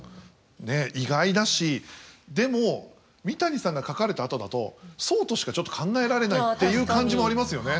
ねえ意外だしでも三谷さんが書かれたあとだとそうとしかちょっと考えられないっていう感じもありますよね。